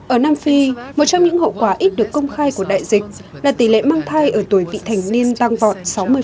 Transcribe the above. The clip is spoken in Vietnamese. ở nam phi một trong những hậu quả ít được công khai của đại dịch là tỷ lệ mang thai ở tuổi vị thành niên tăng vọt sáu mươi